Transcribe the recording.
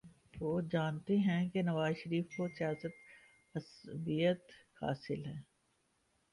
وہ جانتے ہیں کہ نواز شریف کو سیاسی عصبیت حاصل ہے۔